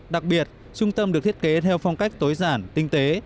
đặc biệt trung tâm được thiết kế theo phong cách tối giản tinh tế